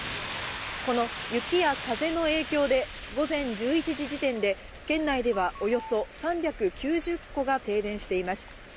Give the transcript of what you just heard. この雪や風の影響で、午前１１時時点で県内ではおよそ３９０戸が停電しています。